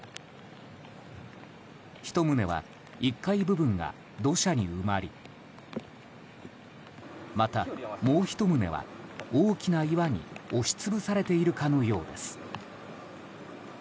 １棟は１階部分が土砂に埋まりまた、もう１棟は大きな岩に押し潰されているかのようです。